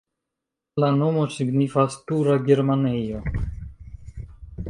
La nomo signifas: tura-germanejo.